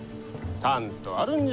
たんとあるんじゃ！